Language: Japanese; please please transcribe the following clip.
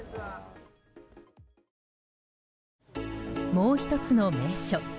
もう１つの名所